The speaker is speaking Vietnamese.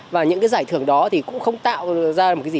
và những cái giải thưởng đó thì cũng không tạo ra một cái gì